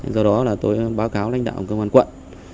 do đó tôi báo cáo lãnh đạo quân quận